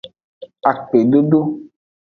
Akpedodo.